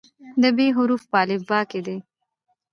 د "ب" حرف په الفبا کې دی.